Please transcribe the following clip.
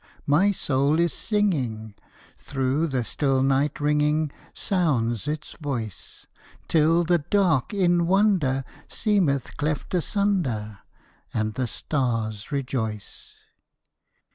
my soul is singing; Through the still night ringing Sounds its voice. Till the dark in wonder Seemeth cleft asunder, And the stars rejoice.